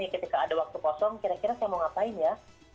ketika ada waktu kosong kira kira saya mau ngapain ya